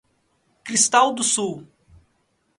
Cristal do Sul